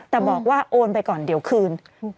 แต่บอกว่าโอนไปก่อนเดี๋ยวคืน